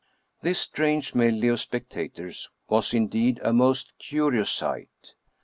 This strange medley of spectators was indeed a most curious sight.